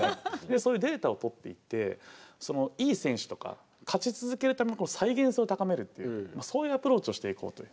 そういうデータを取っていっていい選手とか勝ち続けるための再現性を高めるっていうそういうアプローチをしていこうという。